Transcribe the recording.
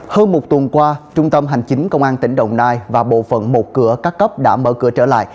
hơn một tuần qua trung tâm hành chính công an tỉnh đồng nai và bộ phận một cửa các cấp đã mở cửa trở lại